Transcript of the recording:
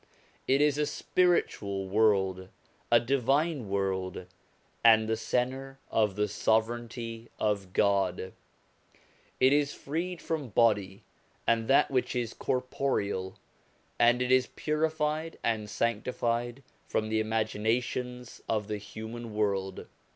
It is a spiritual world, a divine world, and the centre of the Sovereignty of God ; it is freed from body and that which is corporeal, and it is purified and sanctified from the imaginations of the human world.